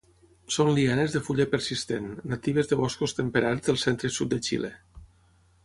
Són lianes de fulla persistent, natives de boscos temperats del centre i sud de Xile.